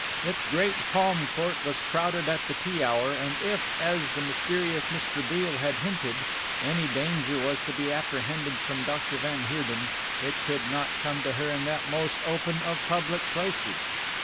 Its great palm court was crowded at the tea hour and if, as the mysterious Mr. Beale had hinted, any danger was to be apprehended from Dr. van Heerden, it could not come to her in that most open of public places.